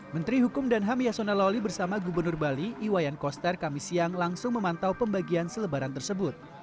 menteri hukum dan ham yasona lawli bersama gubernur bali iwayan koster kami siang langsung memantau pembagian selebaran tersebut